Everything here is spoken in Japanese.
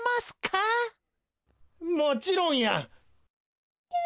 もちろんや！